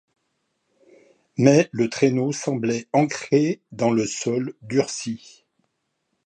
Mais le traîneau semblait ancré dans le sol durci.